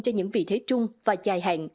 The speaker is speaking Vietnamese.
cho những vị thế trung và dài hạn